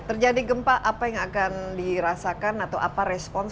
terjadi gempa apa yang akan dirasakan atau apa respons